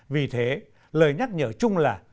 vì thế lời nhắc nhở chung là